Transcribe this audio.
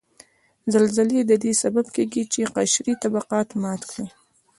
زلزلې ددې سبب کیږي چې قشري طبقات مات کړي